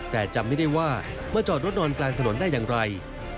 แต่จำไม่ได้ว่ามาจอดรถนอนกลางถนนได้อย่างไร